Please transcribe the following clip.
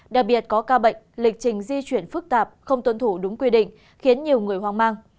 đặc biệt có ca bệnh lịch trình di chuyển phức tạp không tuân thủ đúng quy định khiến nhiều người hoang mang